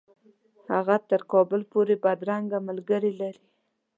هغه تر کابل پوري بدرګه ملګرې کړي.